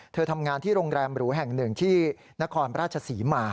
ทำงานที่โรงแรมหรูแห่งหนึ่งที่นครราชศรีมา